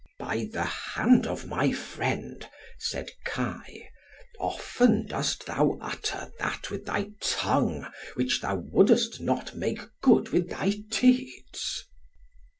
"By the hand of my friend," said Kai, "often dost thou utter that with thy tongue, which thou wouldest not make good with thy deeds."